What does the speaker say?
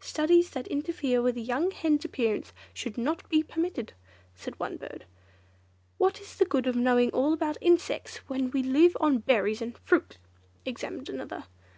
"Studies that interfere with a young hen's appearance should not be permitted," said one bird. "What is the good of knowing all about insects, when we live on berries and fruit!" exclaimed another.